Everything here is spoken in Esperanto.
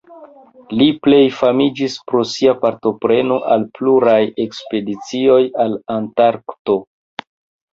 Li plej famiĝis pro sia partopreno al pluraj ekspedicioj al Antarkto.